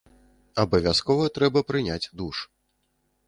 Абавязкова трэба прыняць душ.